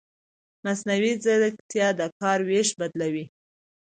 مصنوعي ځیرکتیا د کار وېش بدلوي.